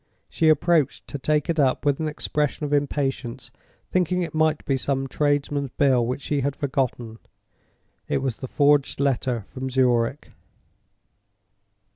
She approached to take it up with an expression of impatience, thinking it might be some tradesman's bill which she had forgotten. It was the forged letter from Zurich.